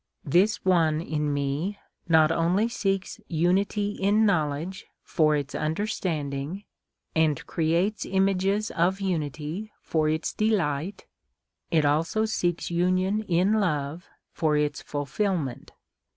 This One in me not only seeks unity in knowledge for its understanding and creates images of unity for its delight; it also seeks union in love for its fulfilment.